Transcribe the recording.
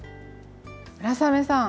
村雨さん。